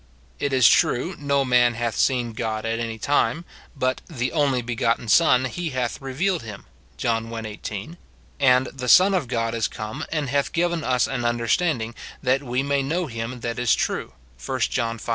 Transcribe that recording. It is true, 'No man hath seen God at any time,' but 'the only begotten Son, he hath revealed him,' John i. 18 ; and ' the Son of God is come, and hath given us an un derstanding, that Ave may know him that is true,' 1 John V.